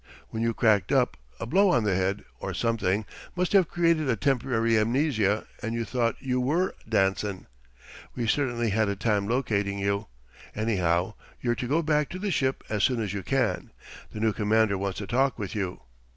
When you cracked up, a blow on the head, or something, must have created a temporary amnesia and you thought you were Danson. We certainly had a time locating you. Anyhow, you're to go back to the ship as soon as you can. The new commander wants to talk with you."